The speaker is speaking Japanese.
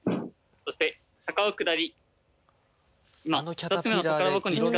そして坂を下り。